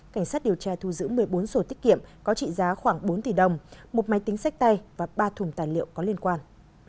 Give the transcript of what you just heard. cảnh sát điều tra thu giữ một mươi bốn sổ tiết kiệm có trị giá khoảng bốn tỷ đồng một máy tính sách tay và ba thùng tài liệu có liên quan